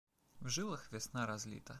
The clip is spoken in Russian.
В жилах весна разлита.